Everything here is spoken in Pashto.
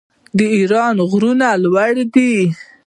د ایران غرونه لوړ دي.